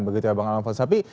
begitu ya bang alam fonsapi